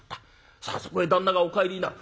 さあそこへ旦那がお帰りになる。